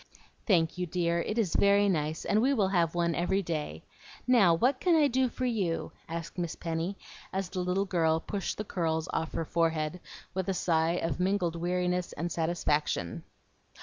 "Thank you, dear, it is very nice, and we will have one every day. Now, what can I do for you?" asked Miss Penny, as the little girl pushed the curls off her forehead, with a sigh of mingled weariness and satisfaction.